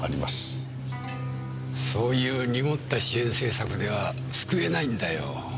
そういう濁った支援政策では救えないんだよ